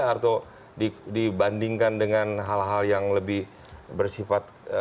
atau dibandingkan dengan hal hal yang lebih bersifat